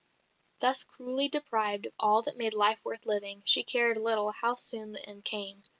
Thus cruelly deprived of all that made life worth living, she cared little how soon the end came.